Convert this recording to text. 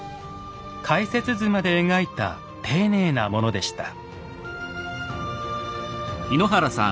解説図まで描いた丁寧なものでした。